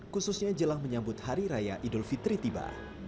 khususnya jelang menyambut hari raya idul fitri tiba